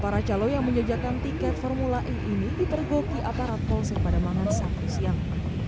para calon yang menjejakan tiket formula e ini dipergoki aparat polsek pada mangan sabtu siang